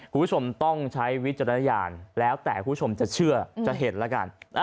คุณผู้ชมต้องใช้วิจารณญาณแล้วแต่คุณผู้ชมจะเชื่อจะเห็นแล้วกัน